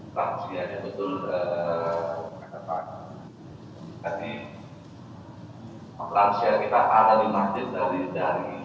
biar kita bisa kita lanjutkan nanti